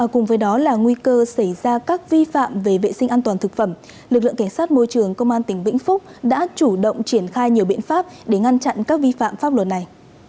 cùng với đó là nguy cơ xảy ra các vi phạm về vệ sinh an toàn thực phẩm lực lượng cảnh sát môi trường công an tỉnh vĩnh phúc đã chủ động triển khai nhiều biện pháp để ngăn chặn các vi phạm pháp luật này